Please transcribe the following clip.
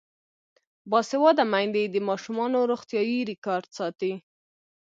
باسواده میندې د ماشومانو روغتیايي ریکارډ ساتي.